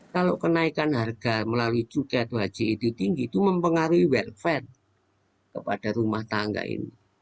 kalau kenaikan harga melalui cuket haji itu tinggi itu mempengaruhi welfat kepada rumah tangga ini